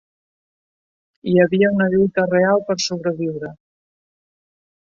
Hi havia una lluita real per sobreviure.